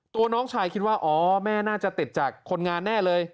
น้องชายคิดว่าอ๋อแม่น่าจะติดจากคนงานแน่เลย